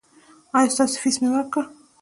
ایا ستاسو فیس مې ورکړ؟